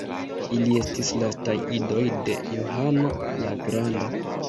Ili estis lastaj idoj de Johano la Granda.